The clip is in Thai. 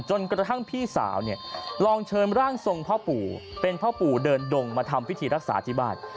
จนกระทั่งพี่สาวเนี่ยลองเชิญร่างทรงพ่อปู่เป็นพ่อปู่เดินดงมาทำพิธีรักษาที่บ้าน